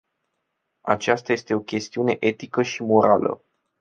Aceasta este o chestiune etică și morală.